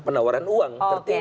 penawaran uang tertinggi